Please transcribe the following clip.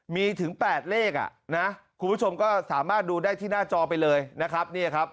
มีถึง๘เลขอ่ะนะคุณผู้ชมก็สามารถดูได้ที่หน้าจอไปเลยนะครับ